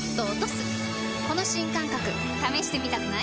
この新感覚試してみたくない？